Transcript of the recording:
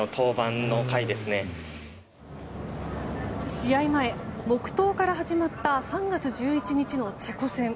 試合前、黙祷から始まった３月１１日のチェコ戦。